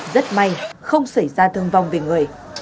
rất may không xảy ra thương vong về người